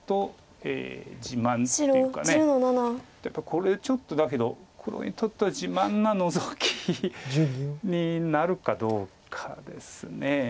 これちょっとだけど黒にとっては自慢なノゾキになるかどうかです。